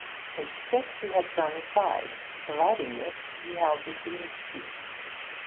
His stick he had thrown aside; the riding whip he held between his teeth.